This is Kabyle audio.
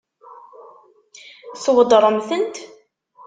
Tweddṛem-tent?